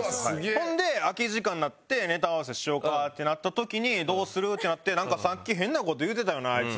ほんで空き時間になってネタ合わせしようかってなった時にどうする？ってなって「なんかさっき変な事言うてたよなあいつ」。